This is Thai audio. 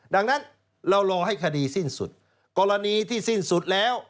ดังนั้นเรารอให้คดีสิ้นสุดกรณีที่สิ้นสุดแล้ว